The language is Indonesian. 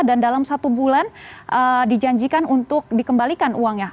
dan dalam satu bulan dijanjikan untuk dikembalikan uangnya